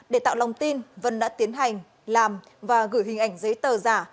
để tạo lòng tin vân đã tiến hành làm và gửi hình ảnh giấy tờ giả